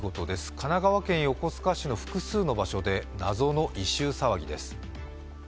神奈川県横須賀市複数の箇所で謎の異臭騒ぎです。